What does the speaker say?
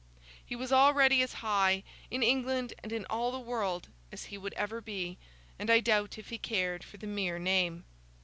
He was already as high, in England and in all the world, as he would ever be, and I doubt if he cared for the mere name.